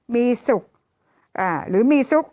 มีศุกร์หรือมีสุข